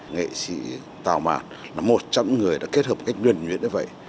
nghệ sĩ tào mạt là một trăm người đã kết hợp một cách nguyện nguyện như vậy